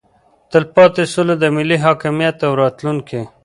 تلپاتې سوله د ملي حاکمیت او راتلونکي